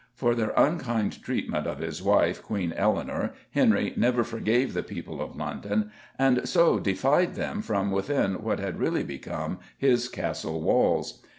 For their unkind treatment of his wife, Queen Eleanor, Henry never forgave the people of London, and so defied them from within what had really become his castle walls.